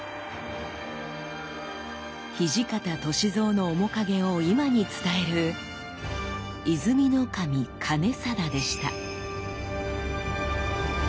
土方歳三の面影を今に伝える「和泉守兼定」でした。